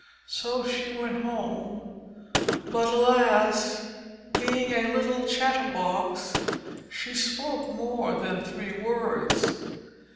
So she went home; but, alas! being a little chatter box, she spoke more than three words.